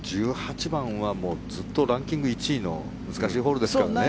１８番はもうずっとランキング１位の難しいホールですからね。